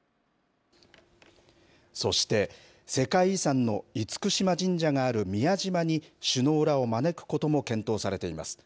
そして、世界遺産の厳島神社がある宮島に、首脳らを招くことも検討されています。